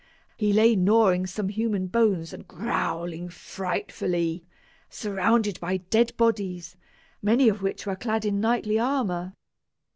He lay gnawing some human bones and growling frightfully, surrounded by dead bodies, many of which were clad in knightly armor.